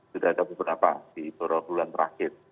sudah ada beberapa di beberapa bulan terakhir